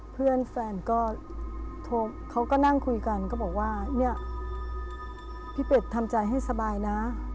เพื่อนแฟนก็โทรเขาก็นั่งคุยกันก็บอกว่าเนี่ยพี่เป็ดทำใจให้สบายนะ